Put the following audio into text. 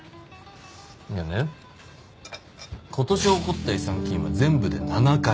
いやね今年起こった違算金は全部で７回。